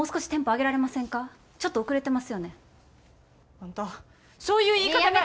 あんたそういう言い方がやな。